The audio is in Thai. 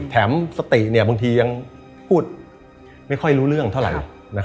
สติบางทียังพูดไม่ค่อยรู้เรื่องเท่าไหร่